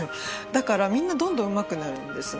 だからみんなどんどんうまくなるんですね